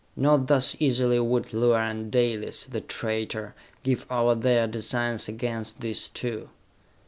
Not thus easily would Luar and Dalis, the traitor, give over their designs against these two.